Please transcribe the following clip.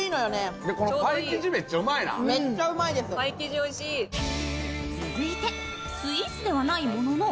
続いてスイーツではないものの、